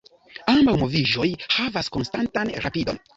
Ambaŭ moviĝoj havas konstantan rapidon.